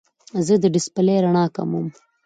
زه د ډیسپلې رڼا کموم.